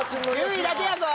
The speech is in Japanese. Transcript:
９位だけやぞ！